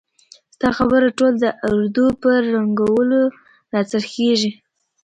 ستا خبره ټول د اردو په ړنګولو را څرخیږي!